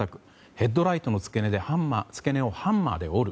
ヘッドライトの付け根をハンマーで折る。